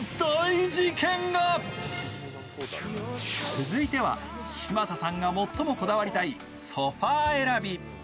続いては嶋佐さんが最もこだわりたいソファー選び。